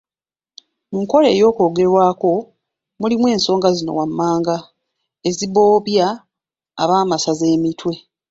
Mu nkola eyogerwako, mulimu ensonga zino wammanga, ezibobbya ab'amasaza emitwe.